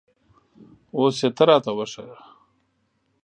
اوس یې ته را ته وښیه